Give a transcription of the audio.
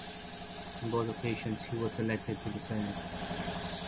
On both occasions he was elected to the Senate.